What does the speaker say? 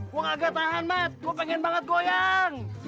gua gak tahan mat gua pengen banget goyang